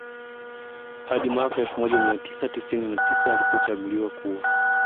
Hadi mwaka elfu moja mia tisa tisini na tisa alipochaguliwa kuwa